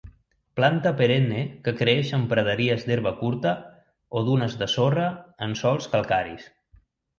Planta perenne que creix en praderies d'herba curta o dunes de sorra en sòls calcaris.